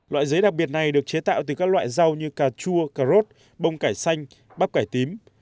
loại giấy đặc biệt này được chế tạo từ các loại rau như cà chua cà rốt bông cải xanh bắp cải tím